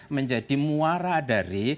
menjadi muara dari